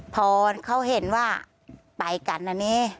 พอเขาเห็นว่าไปกันนะนี่